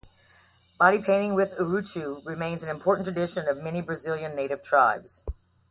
Body-painting with "urucu" remains an important tradition of many Brazilian native tribes.